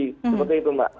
seperti itu mbak